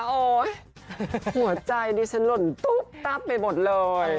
โอ๊ยหัวใจดิฉันหล่นตุ๊บตับไปหมดเลย